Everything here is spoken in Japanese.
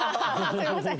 すいません。